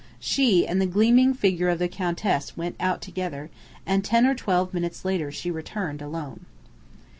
She and the gleaming figure of the Countess went out together, and ten or twelve minutes later she returned alone.